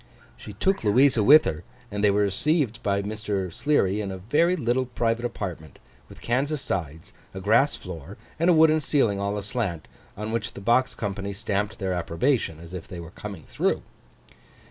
She took Louisa with her; and they were received by Mr. Sleary in a very little private apartment, with canvas sides, a grass floor, and a wooden ceiling all aslant, on which the box company stamped their approbation, as if they were coming through.